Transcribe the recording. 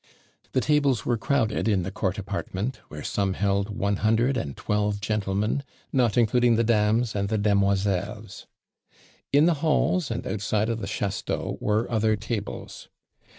The tables were crowded in the court apartment, where some held one hundred and twelve gentlemen, not including the dames and the demoiselles. In the halls, and outside of the chasteau, were other tables.